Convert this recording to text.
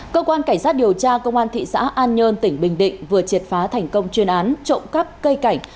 cơ quan cảnh sát điều tra công an thị xã an nhơn tỉnh bình định vừa triệt phá thành công chuyên án trộm cắp cây cảnh